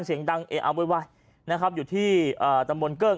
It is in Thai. เสียงดังเออเอาโวยวายนะครับอยู่ที่เอ่อตำบลเกิ้ง